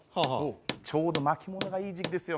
ちょうど巻き物がいい時期ですよ